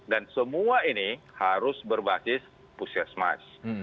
dan semua ini harus berbasis pusat semestinya